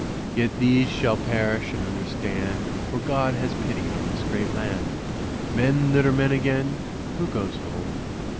Yet these shall perish and understand, For God has pity on this great land. Men that are men again; who goes home?